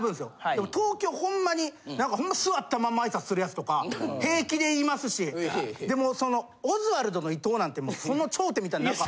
でも東京ほんまに何かほんま座ったまんま挨拶するやつとか平気でいますしでもうそのオズワルドの伊藤なんてもうその頂点みたいな何か。